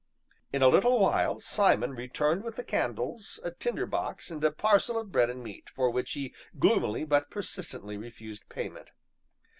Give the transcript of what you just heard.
In a little while Simon returned with the candles, a tinder box, and a parcel of bread and meat, for which he gloomily but persistently refused payment.